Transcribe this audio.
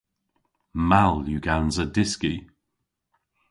Mall yw gansa dyski.